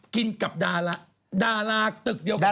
กินกับดาราตึกเดียวกับเรา